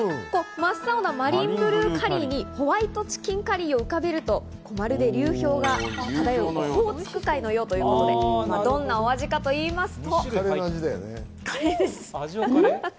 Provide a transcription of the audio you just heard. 真っ青なマリンブルーカレーにホワイトチキンカリーを浮かべるとまるで流氷が漂うオホーツク海のようということで、どんなお味かと言いますと。